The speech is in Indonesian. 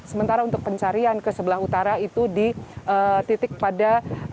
sementara untuk pencarian ke sebelah utara itu di titik pada